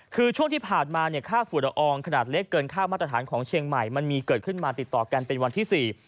คือช่วงที่ผ่านมาเนี่ยค่าฝุ่นละอองขนาดเล็กเกินค่ามาตรฐานของเชียงใหม่มันมีเกิดขึ้นมาติดต่อกันเป็นวันที่สี่